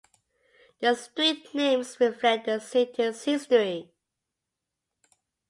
The street names reflect the city's history.